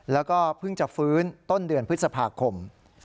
แล้วก็เพิ่งจะฟื้นต้นเดือนพฤษภาคม